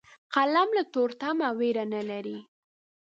قلم له تورتمه ویره نه لري